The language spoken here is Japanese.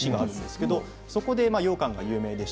そこで、ようかんが有名です。